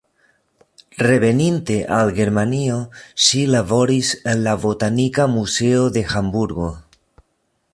Reveninte al Germanio, ŝi laboris en la Botanika Muzeo de Hamburgo.